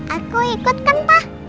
aku ikut kan pak